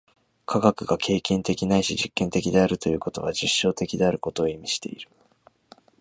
科学が経験的ないし実験的であるということは、実証的であることを意味している。